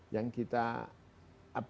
yang kita upgrade